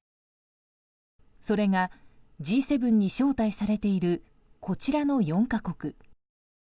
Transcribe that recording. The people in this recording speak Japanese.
それが、Ｇ７に招待されているこちらの４か国。